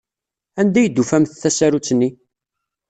Anda ay d-tufamt tasarut-nni?